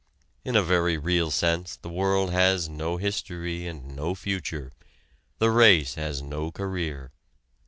In a very real sense the world has no history and no future, the race has no career.